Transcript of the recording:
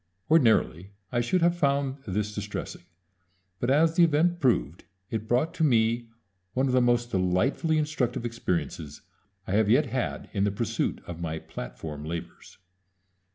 Ordinarily I should have found this distressing; but, as the event proved, it brought to me one of the most delightfully instructive experiences I have yet had in the pursuit of my platform labors.